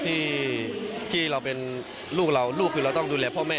ที่เราเป็นลูกเราลูกคือเราต้องดูแลพ่อแม่